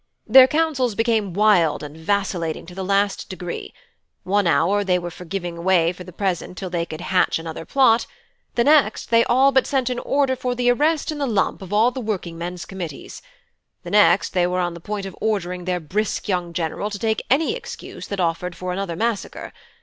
Their counsels became wild and vacillating to the last degree: one hour they were for giving way for the present till they could hatch another plot; the next they all but sent an order for the arrest in the lump of all the workmen's committees; the next they were on the point of ordering their brisk young general to take any excuse that offered for another massacre.